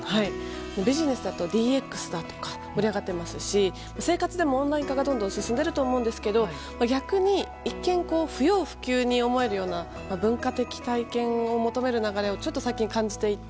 ビジネスだと、ＤＸだとか盛り上がっていますし生活でもオンライン化がどんどん進んでいると思いますけど逆に一見不要不急と思われるような文化的体験を求める流れをちょっと最近、感じていて。